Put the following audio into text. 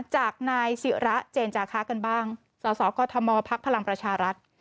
จากนายศิระเจนจาคะกันบ้างสสกมพักพลังประชารัฐ